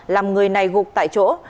làm người này gục tại chỗ